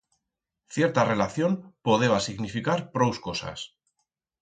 Cierta relación podeba significar prous cosas.